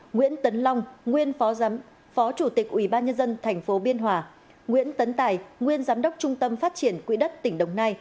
nguyễn tấn long nguyên phó chủ tịch ubnd tp biên hòa nguyễn tấn tài nguyên giám đốc trung tâm phát triển quỹ đất tỉnh đồng nai